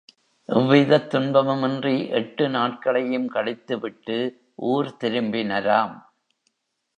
எவ்விதத் துன்பமுமின்றி எட்டு நாட்களையும் கழித்துவிட்டு ஊர் திரும்பினராம்.